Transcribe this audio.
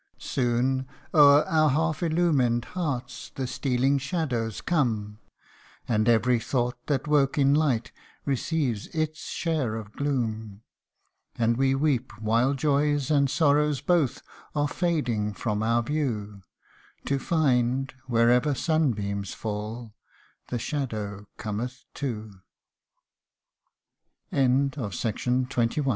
Soon o'er our half illumined hearts the stealing shadows come, And every thought that woke in light receives its share of gloom. And we weep while joys and sorrows both are fading from our view, To find, wherever sunbeams fall, the shadow c